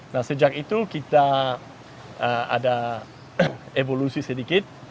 nah sejak itu kita ada evolusi sedikit